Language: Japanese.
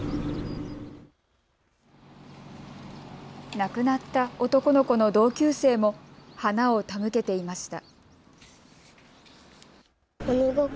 亡くなった男の子の同級生も花を手向けていました。